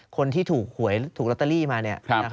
คนที่ถูกหวยถูกลอตเตอรี่มา